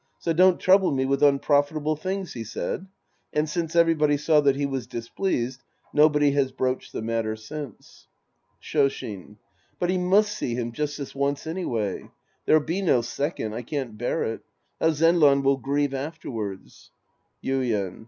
So don't trouble me with unprofitable things," he said, and, since everybody saw that he was displeas ed, nobody has broached the matter since. Shoshin. But he must see him just this once any way. There'll be no second, — I can't bear it. How Zenran will grieve afterwards ! Yuien.